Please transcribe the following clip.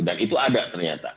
dan itu ada ternyata